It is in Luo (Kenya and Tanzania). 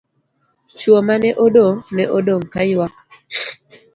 Chuo mane odong', ne odong' kaywak.